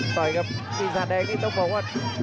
ต่อยกับปีศาจแดงนี่ต้องบอกว่า